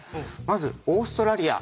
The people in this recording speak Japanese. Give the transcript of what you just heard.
まずオーストラリア。